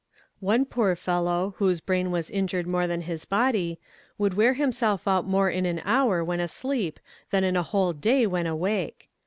One poor fellow, whose brain was injured more than his body, would wear himself out more in an hour when asleep than in a whole day when awake.